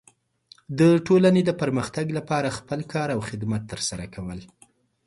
د ټولنې د پرمختګ لپاره خپل کار او خدمت ترسره کول.